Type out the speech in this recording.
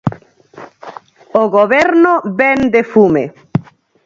O Goberno vende fume.